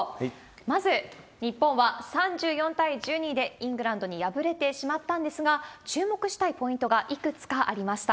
まず日本は３４対１２でイングランドに敗れてしまったんですが、注目したいポイントがいくつかありました。